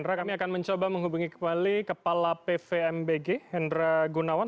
nah kami akan mencoba menghubungi kembali kepala pvmbg hendra gunawan